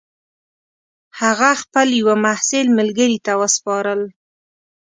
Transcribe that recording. هغه خپل یوه محصل ملګري ته وسپارل.